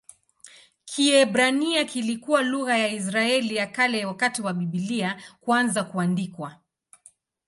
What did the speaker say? Kiebrania kilikuwa lugha ya Israeli ya Kale wakati wa Biblia kuanza kuandikwa.